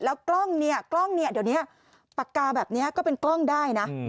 แล้วกล้องเนี่ยกล้องเนี่ยเดี๋ยวนี้ปากกาแบบนี้ก็เป็นกล้องได้นะ